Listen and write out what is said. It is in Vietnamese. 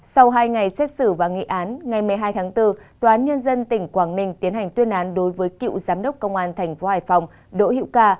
sau hai ngày xét xử và nghị án ngày một mươi hai tháng bốn tòa án nhân dân tỉnh quảng ninh tiến hành tuyên án đối với cựu giám đốc công an tp hải phòng đỗ hữu ca